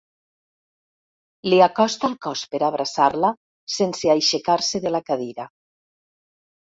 Li acosta el cos per abraçar-la sense aixecar-se de la cadira.